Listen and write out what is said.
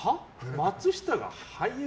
松下が俳優？